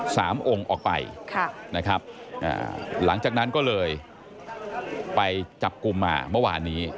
สามองค์ออกไปค่ะนะครับอ่าหลังจากนั้นก็เลยไปจับกลุ่มมาเมื่อวานนี้